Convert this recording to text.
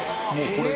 これ。